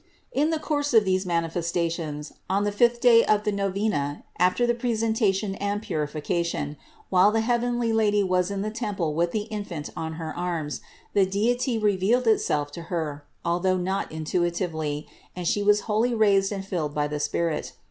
609. In the course of these manifestations, on the fifth day of the novena after the presentation and purifica tion, while the heavenly Lady was in the temple with the Infant on her arms, the Deity revealed Itself to Her, although not intuitively, and She was wholly raised and filled by the Spirit.